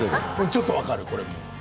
ちょっと分かるこれ。